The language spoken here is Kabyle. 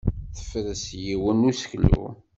Tefres yiwen n useklu.